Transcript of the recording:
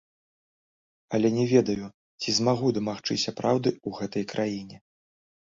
Але не ведаю, ці змагу дамагчыся праўды ў гэтай краіне.